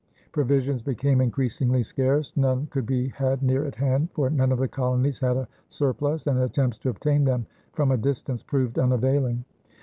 Provisions became increasingly scarce; none could be had near at hand, for none of the colonies had a surplus; and attempts to obtain them from a distance proved unavailing.